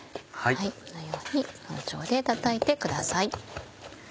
このように包丁でたたいてください。